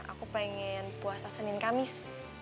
aku pengen puasa senin kamis